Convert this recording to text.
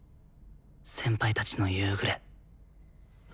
先輩たちの夕暮れ。